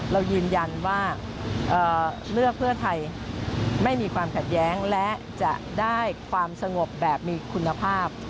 เรายืนยันว่าเลือกเพื่อไทยไม่มีความขัดแย้งและจะได้ความสงบแบบมีคุณภาพ